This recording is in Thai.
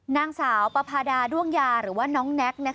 นางสาวปภาดาด้วงยาหรือว่าน้องแน็ก